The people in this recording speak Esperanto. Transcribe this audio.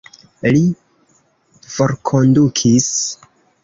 Li forkondukis?